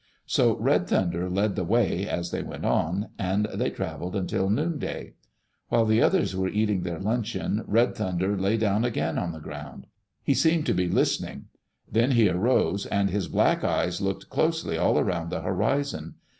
So Red Thunder led the way, as they went on, and they traveled until noonday. While the others were eating their luncheon, Red Thunder lay down again on the ground. He seemed to be listening. Then he arose and his black eyes looked closely all around the horizon.